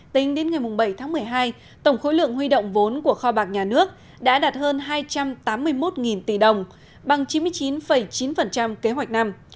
tính đến ngày bảy tháng một mươi hai tổng khối lượng huy động vốn của kho bạc nhà nước đã đạt hơn hai trăm tám mươi một tỷ đồng bằng chín mươi chín chín kế hoạch năm